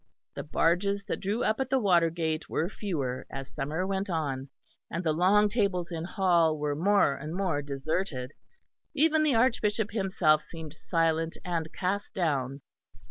The barges that drew up at the watergate were fewer as summer went on, and the long tables in hall were more and more deserted; even the Archbishop himself seemed silent and cast down.